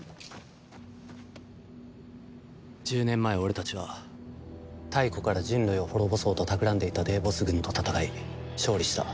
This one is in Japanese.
１０年前俺たちは太古から人類を滅ぼそうと企んでいたデーボス軍と戦い勝利した。